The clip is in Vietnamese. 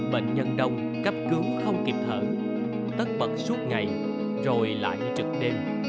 bệnh nhân đông cấp cứu không kịp thở tất bật suốt ngày rồi lại trực đêm